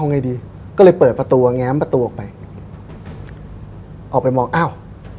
เอาง่ายดีก็เลยเปิดประตูอ่ะไงเอาประตูออกไปออกไปมองอ้าว